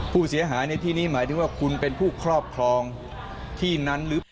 ผู้เสียหายในที่นี้หมายถึงว่าคุณเป็นผู้ครอบครองที่นั้นหรือเปล่า